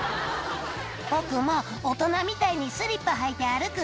「僕も大人みたいにスリッパ履いて歩くんだ」